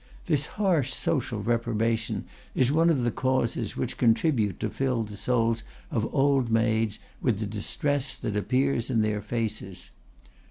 This harsh social reprobation is one of the causes which contribute to fill the souls of old maids with the distress that appears in their faces.